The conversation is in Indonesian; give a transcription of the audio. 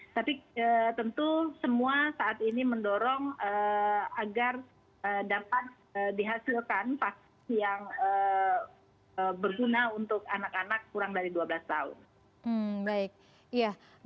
tapi tentu semua saat ini mendorong agar dapat dihasilkan vaksin yang berguna untuk anak anak kurang dari dua belas tahun